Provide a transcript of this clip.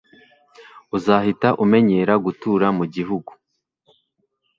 Uzahita umenyera gutura mugihugu